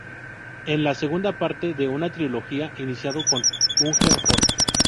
Es la segunda parte de una trilogía iniciada con Hungerford.